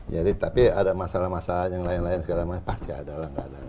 jadi tapi ada masalah masalah yang lain lain pasti ada lah